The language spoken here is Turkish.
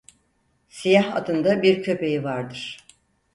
Siyah adında bir köpeği vardır.